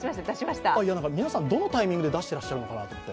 皆さん、どのタイミングで出していらっしゃるのかなと思って。